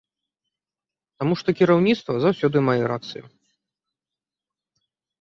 Таму што кіраўніцтва заўсёды мае рацыю.